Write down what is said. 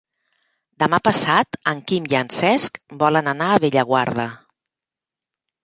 Demà passat en Quim i en Cesc volen anar a Bellaguarda.